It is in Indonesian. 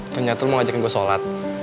ternyata lo mau ajakin gue sholat